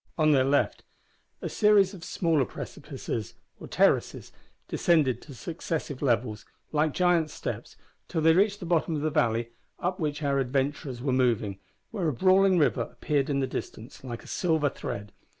On their left a series of smaller precipices, or terraces, descended to successive levels, like giant steps, till they reached the bottom of the valley up which our adventurers were moving, where a brawling river appeared in the distance like a silver thread.